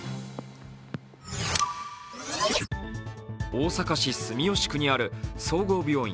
大阪市住吉区にある総合病院